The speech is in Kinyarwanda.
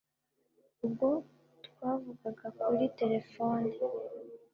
ubwo twavuganaga kuri terefone,